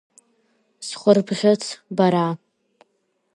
Схәырбӷьыц, бара…